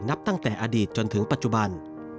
นับตั้งแต่อดีตจนถึงปัจจุบัน